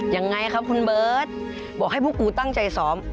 ยังไงครับคุณเบิร์ตบอกให้พวกกูตั้งใจซ้อม